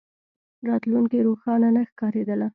راتلونکې روښانه نه ښکارېدله.